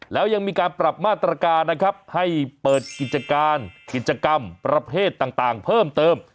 แล้วยังมีการปรับมาตรการนะครับให้เปิดกิจการกิจกรรมประเภทต่างเพิ่มเติม